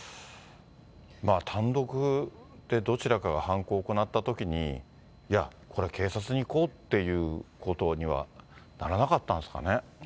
単独でどちらかが犯行を行ったときに、いや、これは警察に行こうっていうことにはならなかったんですかね。